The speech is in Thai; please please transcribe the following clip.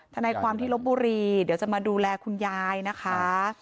ทนายความที่ลบบุรีเดี๋ยวจะมาดูแลคุณยายนะคะ